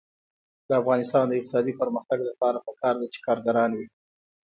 د افغانستان د اقتصادي پرمختګ لپاره پکار ده چې کارګران وي.